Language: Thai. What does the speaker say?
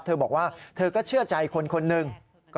เธอบอกว่าเธอก็เชื่อใจคนคนหนึ่ง